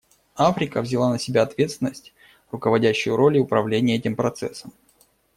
Африка взяла на себя ответственность, руководящую роль и управление этим процессом.